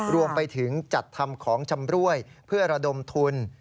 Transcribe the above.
รวมไปถึงจัดทำของชำรวยเพื่อระดมทุน